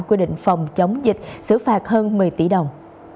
quy định phòng chống dịch xử phạt hơn một mươi tỷ đồng